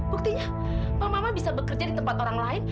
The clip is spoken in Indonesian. buktinya pak maman bisa bekerja di tempat orang lain